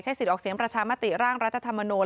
สิทธิ์ออกเสียงประชามติร่างรัฐธรรมนูล